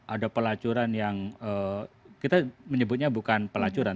ada pelacuran yang kita menyebutnya bukan pelacuran